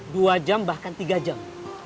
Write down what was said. dua jam bahkan tiga jam